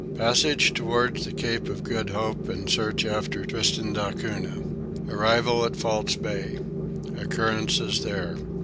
Passage towards the Cape of Good Hope and Search after Tristan da Cunha. Arrival at False Bay. Occurrences there.